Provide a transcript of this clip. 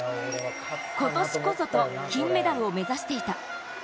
今年こそと金メダルを目指していた。